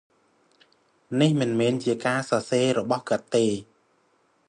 នេះមិនមែនជាការសរសេររបស់គាត់ទេ។